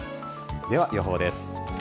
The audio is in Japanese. では予報です。